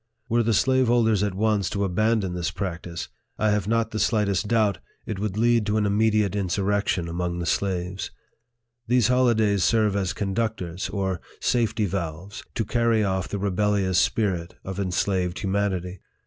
Were the slaveholders at once to abandon this practice, I have not the slightest doubt it would lead to an immediate LIFE OF FREDERICK DOUGLASS. 75 insurrection among the slaves. These holidays serve as conductors, or safety valves, to carry off the rebellious spirit of enslaved humanity.